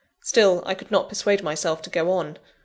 Still I could not persuade myself to go on.